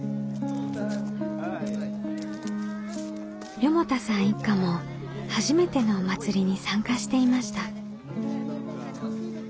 四方田さん一家も初めてのお祭りに参加していました。